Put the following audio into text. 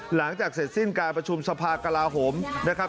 หลังจากเสร็จสิ้นการประชุมสภากลาโหมนะครับ